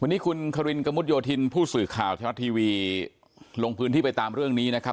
วันนี้คุณครินกระมุดโยธินผู้สื่อข่าวทรัฐทีวีลงพื้นที่ไปตามเรื่องนี้นะครับ